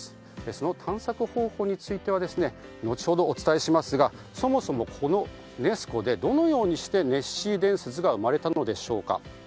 その探索方法については後ほどお伝えしますがそもそも、このネス湖でどのようにしてネッシー伝説が生まれたのでしょうか。